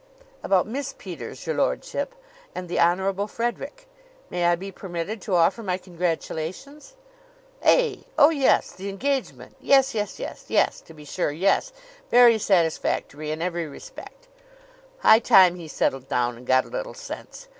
"About Miss Peters, your lordship, and the Honorable Frederick. May I be permitted to offer my congratulations?" "Eh, Oh, yes the engagement. Yes, yes, yes! Yes to be sure. Yes; very satisfactory in every respect. High time he settled down and got a little sense.